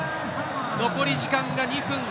残り時間が２分。